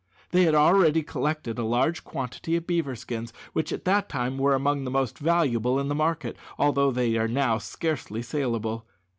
They had already collected a large quantity of beaver skins, which at that time were among the most valuable in the market, although they are now scarcely saleable!